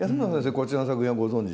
こちらの作品はご存じ？